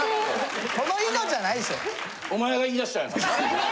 その「いの」じゃないでしょ。